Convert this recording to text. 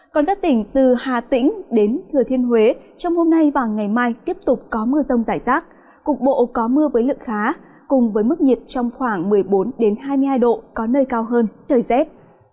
còn các tỉnh từ hà tĩnh đến thừa thiên huế trong hôm nay và ngày mai tiếp tục có mưa rông rải rác cục bộ có mưa với lượng khá cùng với mức nhiệt trong khoảng một mươi bốn hai mươi hai độ có nơi cao hơn trời rét